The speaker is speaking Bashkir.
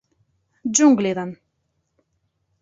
— Джунглиҙан.